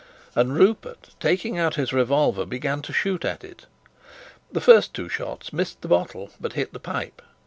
And Rupert, taking out his revolver, began to shoot at it. The first two shots missed the bottle, but hit the pipe.